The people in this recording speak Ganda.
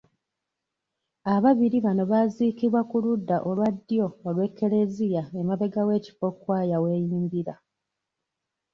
Ababiri bano baaziikibwa ku ludda olwa ddyo olw'Eklezia emabega w'ekifo Kkwaya w'eyimbira.